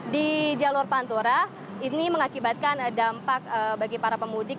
di jalur pantura ini mengakibatkan dampak bagi para pemudik